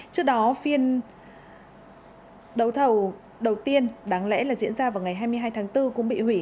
trước đó phiên đấu thầu đầu tiên đáng lẽ là diễn ra vào ngày hai mươi hai tháng bốn cũng bị hủy